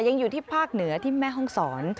ยังอยู่ที่ภาคเหนือที่แม่ห้องศร